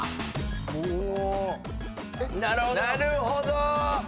なるほど！